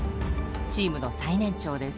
チームの最年長です。